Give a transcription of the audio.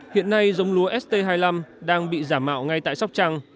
hiện nay giống lúa st hai mươi năm đang bị giả mạo ngay tại sóc trăng